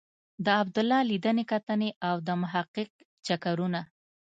د عبدالله لیدنې کتنې او د محقق چکرونه.